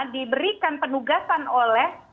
diberikan penugasan oleh